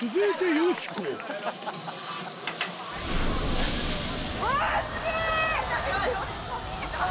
よしこ見えない。